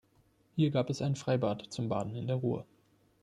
Hier gab es ein Freibad zum Baden in der Ruhr.